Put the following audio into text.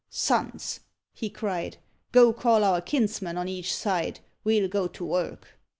Sons," he cried, "Go, call our kinsmen on each side, We'll go to work."